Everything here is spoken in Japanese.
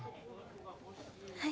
はい。